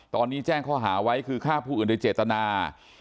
ตอนนี้แจ้งข้อหาไว้คือฆ่าผู้อื่นโดยเจตนา